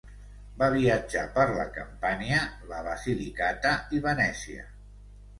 Va viatjar per la Campània, la Basilicata i Venècia.